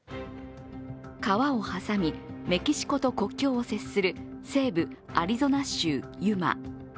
川を挟み、メキシコと国境を接する西部アリゾナ州ユマ。